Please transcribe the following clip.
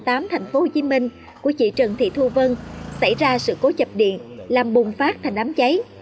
tp hcm của chị trần thị thu vân xảy ra sự cố chập điện làm bùng phát thành ám cháy